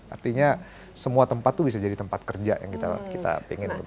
artinya semua tempat itu bisa jadi tempat kerja yang kita ingin